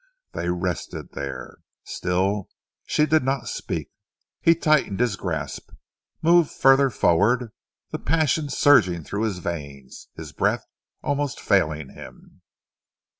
They rested there. Still she did not speak. He tightened his grasp, moved further forward, the passion surging through his veins, his breath almost failing him.